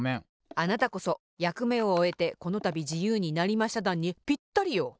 あなたこそ「やくめをおえてこのたびじゆうになりましただん」にぴったりよ。